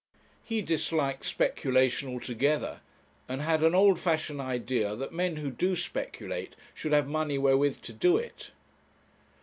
He disliked speculation altogether, and had an old fashioned idea that men who do speculate, should have money wherewith to do it.